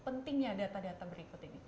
pentingnya data data berikut ini